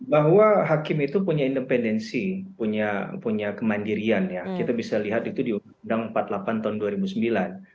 bahwa hakim itu punya independensi punya kemandirian ya kita bisa lihat itu di undang undang empat puluh delapan tahun dua ribu sembilan